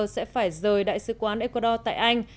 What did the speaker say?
sẽ phải rời đại sứ quán ecuador tại anh